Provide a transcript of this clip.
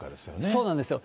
そうなんですよ。